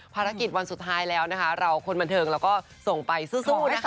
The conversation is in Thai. ภารกิจวันสุดท้ายแล้วนะคะเราคนบันเทิงเราก็ส่งไปสู้นะคะ